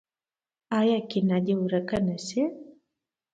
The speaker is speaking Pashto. آیا کینه دې ورک نشي؟